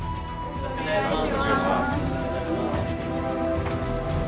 よろしくお願いします。